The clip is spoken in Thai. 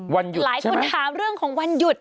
หลายคนถามเรื่องของวันหยุด